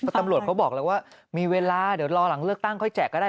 ตำรวจเขาบอกแล้วว่ามีเวลาเดี๋ยวรอหลังเลือกตั้งค่อยแจกก็ได้